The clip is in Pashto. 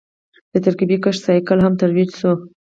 د ترکیبي کښت سایکل هم ترویج شو.